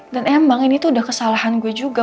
dan emang ini tuh udah kesalahan gue juga